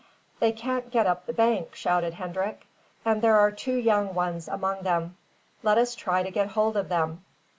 "They can't get up the bank," shouted Hendrik, "and there are two young ones among them. Let us try to get hold of them."